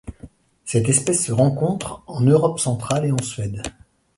Cette espèce se rencontre en Europe centrale et en Suède.